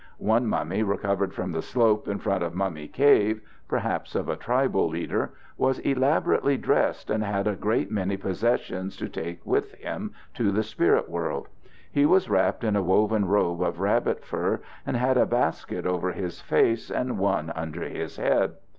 One mummy recovered from the slope in front of Mummy Cave (perhaps of a tribal leader) was elaborately dressed and had a great many possessions to take with him to the spirit world. He was wrapped in a woven robe of rabbit fur and had a basket over his face and one under his head.